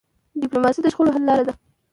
ډيپلوماسي د شخړو حل لاره ده.